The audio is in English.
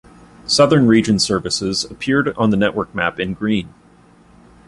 Southern region services appeared on the network map in green.